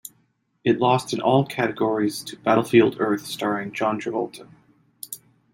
It lost in all categories to "Battlefield Earth" starring John Travolta.